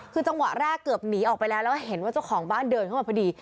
คือจังหวะแรกเกือบหนีออกไปแล้วแล้วเห็นว่าเจ้าของบ้านเดินเข้ามาพอดี